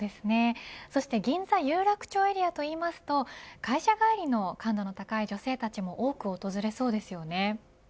銀座、有楽町エリアというと会社帰りの感度の高い女性も多く訪れそうですね。